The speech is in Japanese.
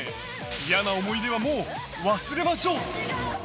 嫌な思い出はもう忘れましょう！